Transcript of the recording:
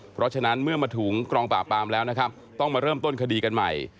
เพราะฉะนั้นเมื่อมาถึงกองปราบปรามแล้วนะครับต้องมาเริ่มต้นคดีกันใหม่